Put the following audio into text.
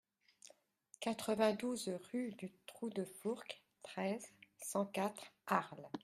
quatre-vingt-douze rue du Trou de Fourques, treize, cent quatre, Arles